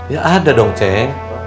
ya ada dong cek